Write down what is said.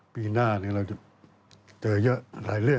ปีหน้าเราจะเจอเยอะหลายเรื่อง